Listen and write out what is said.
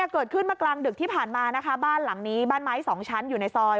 เกิดขึ้นเมื่อกลางดึกที่ผ่านมานะคะบ้านหลังนี้บ้านไม้สองชั้นอยู่ในซอย